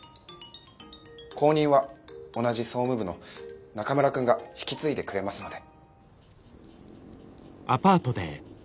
後任は同じ総務部の中村くんが引き継いでくれますので。